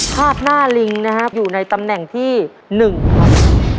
ภาพหน้าลิงนะครับอยู่ในตำแหน่งที่๑ครับ